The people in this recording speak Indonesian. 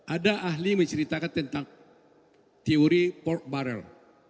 ada ahli menceritakan tentang teori port barrel